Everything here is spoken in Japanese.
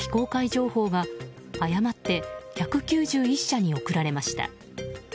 情報が誤って１９１社に送られました。